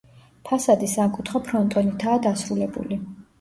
ფასადი სამკუთხა ფრონტონითაა დასრულებული.